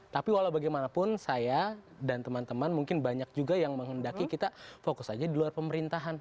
tapi walau bagaimanapun saya dan teman teman mungkin banyak juga yang menghendaki kita fokus aja di luar pemerintahan